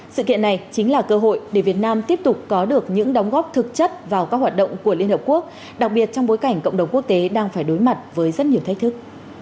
sự kiện này chính là cơ hội để việt nam tiếp tục có được những đóng góp thực chất vào các hoạt động của liên hợp quốc đặc biệt trong bối cảnh cộng đồng quốc tế đang phải đối mặt với rất nhiều thách thức